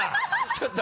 ちょっと！